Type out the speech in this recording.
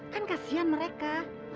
kan kasian mereka